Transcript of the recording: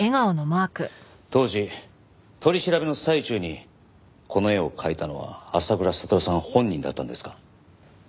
当時取り調べの最中にこの絵を描いたのは浅倉悟さん本人だったんですか？